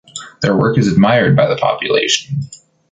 Their work is admired by the population.